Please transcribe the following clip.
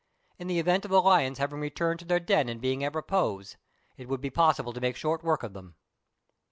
In the event of the Hons having returned to their den and being at repose, it would be possible to make short work of them.